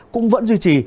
cũng vẫn duy trì